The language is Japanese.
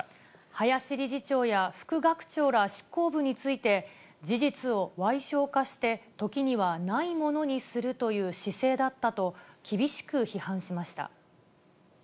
林理事長や副学長ら執行部について、事実をわい小化して、時にはないものにするという姿勢だったと、厳しく批判しました。